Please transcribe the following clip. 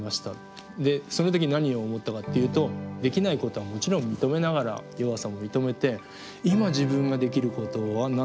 その時に何を思ったかっていうとできないことはもちろん認めながら弱さも認めて今自分ができることは何なのか。